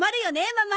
ママ。